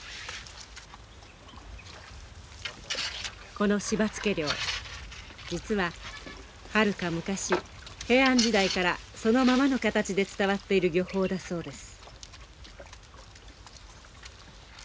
この柴つけ漁実ははるか昔平安時代からそのままの形で伝わっている漁法だそうです。